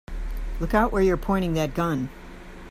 Look out where you're pointing that gun!